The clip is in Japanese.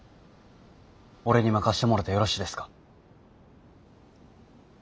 俺に任してもろてよろしですか？